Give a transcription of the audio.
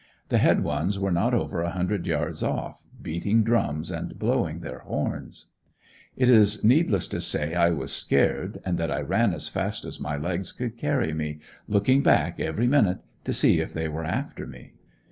The head ones were not over a hundred yards off, beating drums and blowing their horns. It is needless to say I was scared and that I ran as fast as my legs could carry me, looking back every minute to see if they were after me.